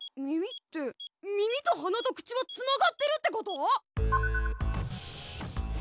耳って耳と鼻と口はつながってるってこと！？